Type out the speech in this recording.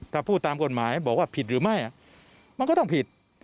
ถ้าพูดตามกฎหมายบอกว่าผิดหรือไม่มันก็ต้องผิด